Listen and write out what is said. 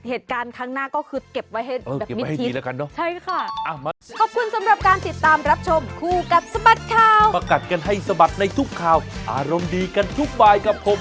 เอาอย่างนี้ระวังดีกว่า